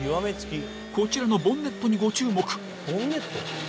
こちらのボンネットにご注目。